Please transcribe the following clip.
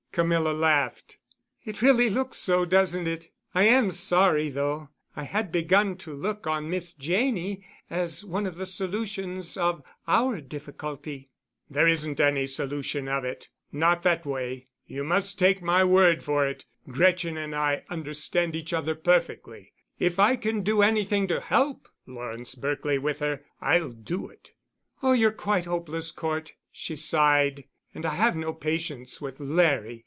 Camilla laughed. "It really looks so, doesn't it? I am sorry, though. I had begun to look on Miss Janney as one of the solutions of our difficulty." "There isn't any solution of it—not that way—you must take my word for it. Gretchen and I understand each other perfectly. If I can do anything to help Lawrence Berkely with her, I'll do it." "Oh, you're quite hopeless, Cort," she sighed, "and I have no patience with Larry.